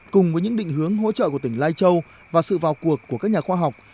cùng với những định hướng hỗ trợ của tỉnh lai châu và sự vào cuộc của các nhà khoa học